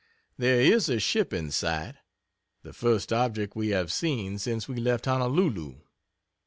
There is a ship in sight the first object we have seen since we left Honolulu.